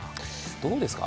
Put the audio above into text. どうでか？